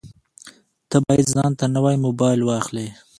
ته باید ځانته نوی مبایل واخلې